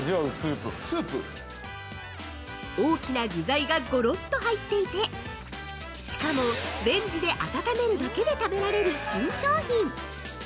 ◆大きな具材がゴロっと入っていてしかも、レンジで温めるだけで食べられる新商品。